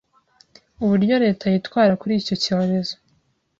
uburyo leta yitwara kuri iki cyorezo.